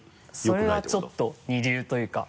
それはちょっと二流というか。